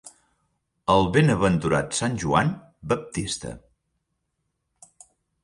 El benaventurat sant Joan Baptista.